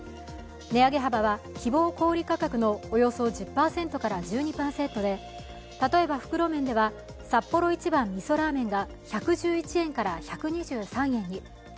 値上げ幅は希望小売価格のおよそ１０％から１２％で例えば袋麺ではサッポロ一番みそラーメンが１１１円から１２３円に。